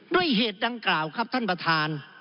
ด้วยเหตุดังกล่าวครับท่านประธาน